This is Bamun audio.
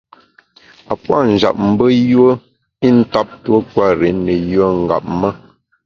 A puâ’ njap mbe yùe i ntap tuo kwer i ne yùe ngap ma.